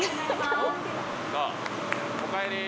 おかえり！